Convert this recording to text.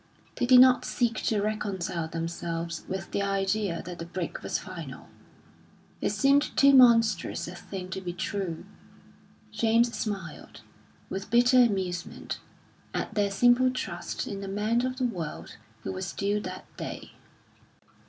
They did not seek to reconcile themselves with the idea that the break was final; it seemed too monstrous a thing to be true. James smiled, with bitter amusement, at their simple trust in the man of the world who was due that day.